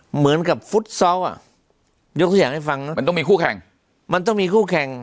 เหมือนกับฟุตซอลอ่ะยกตัวอย่างให้ฟังนะมันต้องมีคู่แข่งมันต้องมีคู่แข่ง